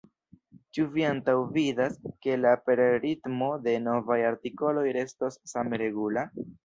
Ĉu vi antaŭvidas, ke la aperritmo de novaj artikoloj restos same regula?